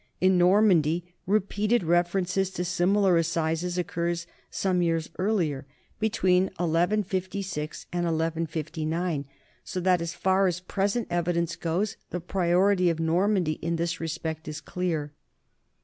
In Normandy repeated references to similar assizes occur some years earlier, between 1156 and 1159, so that as far as present evidence goes, the priority of Normandy in this respect is clear.